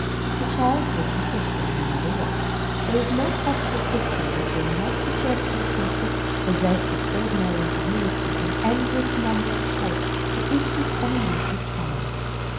The child brings a picture, no matter what. There is no possible picture that will not suggest to a person possessed of ordinary ingenuity an endless number of talks to interest and amuse the child.